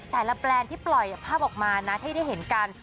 แบรนด์ที่ปล่อยภาพออกมานะให้ได้เห็นกัน